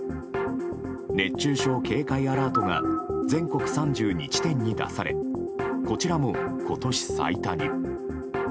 熱中症警戒アラートが全国３２地点に出されこちらも今年最多に。